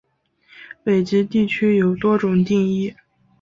北极地区有多种定义。